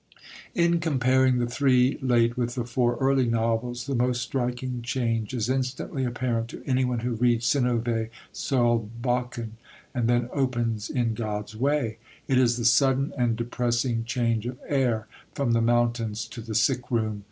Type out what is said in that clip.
In comparing the three late with the four early novels, the most striking change is instantly apparent to anyone who reads Synnövé Solbakken and then opens In God's Way. It is the sudden and depressing change of air, from the mountains to the sick room.